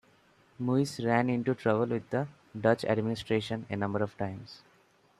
Muis ran into trouble with the Dutch administration a number of times.